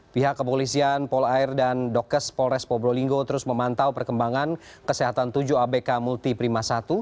pihak kepolisian polair dan dokes polres probolinggo terus memantau perkembangan kesehatan tujuh abk multi prima satu